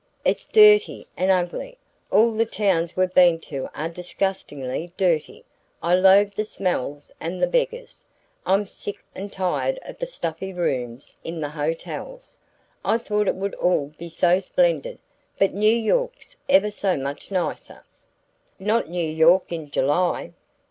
"It's dirty and ugly all the towns we've been to are disgustingly dirty. I loathe the smells and the beggars. I'm sick and tired of the stuffy rooms in the hotels. I thought it would all be so splendid but New York's ever so much nicer!" "Not New York in July?"